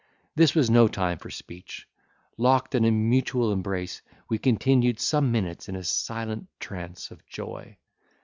This was no time for speech: locked in a mutual embrace, we continued some minutes in a silent trance of joy!